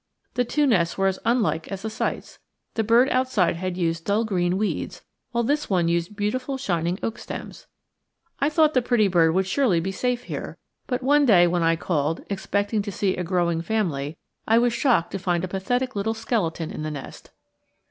The two nests were as unlike as the sites. The bird outside had used dull green weeds, while this one used beautiful shining oak stems. I thought the pretty bird would surely be safe here, but one day when I called, expecting to see a growing family, I was shocked to find a pathetic little skeleton in the nest.